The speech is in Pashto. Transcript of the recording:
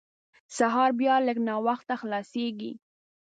سهار بیا لږ ناوخته خلاصېږي.